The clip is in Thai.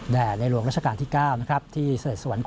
แด่ในหลวงราชกาลที่๙นะครับที่เศรษฐสวรรคม